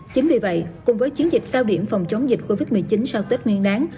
chính vì vậy cùng với chiến dịch cao điểm phòng chống dịch covid một mươi chín sau tết nguyên đáng